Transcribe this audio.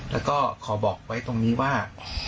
แล้วก็ขอบอกไว้ตรงนี้ว่า